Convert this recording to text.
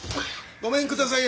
ごめんください